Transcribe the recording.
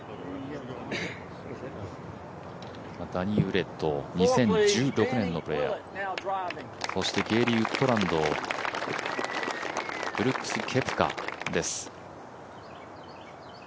ダニー・ウィレット、２０１６年のプレーヤー、そしてゲーリー・ウッドランド、ブルックス・ケプカです。